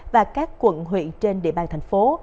và quận huyện trên địa bàn thành phố